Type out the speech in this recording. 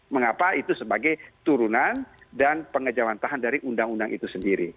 mengapa itu sebagai turunan dan pengejauhan tahan dari undang undang itu sendiri